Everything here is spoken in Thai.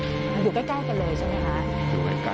อยู่ใกล้กันเลยใช่ไหมคะ